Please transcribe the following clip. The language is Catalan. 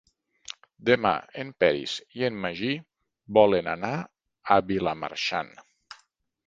Demà en Peris i en Magí volen anar a Vilamarxant.